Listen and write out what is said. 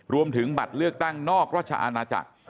รวมถึงบัตรเลือกตั้งนอกราชอาณาจักร